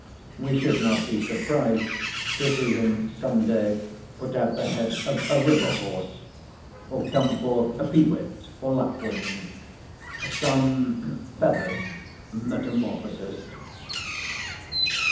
We should not be surprised to see him some day put out the head of a river horse; or come forth a pewit, or lapwing, some feathered metamorphosis.